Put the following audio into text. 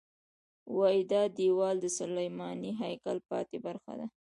وایي دا دیوال د سلیماني هیکل پاتې برخه ده.